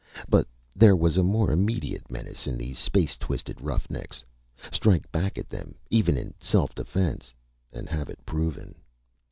But there was a more immediate menace in these space twisted roughnecks.... Strike back at them, even in self defense, and have it proven!